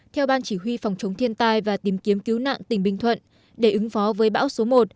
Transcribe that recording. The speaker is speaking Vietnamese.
theo ban chỉ huy phòng chống thiên tai và tìm kiếm cứu nạn tỉnh bình thuận để ứng phó với bão số một